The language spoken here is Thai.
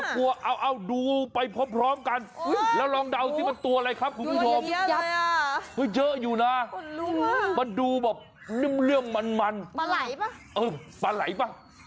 ไปดูพร้อมกันเลยครับ